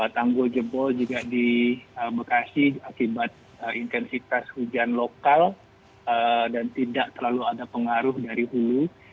tanggul jebol juga di bekasi akibat intensitas hujan lokal dan tidak terlalu ada pengaruh dari hulu